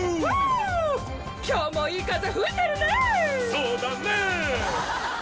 そうだね！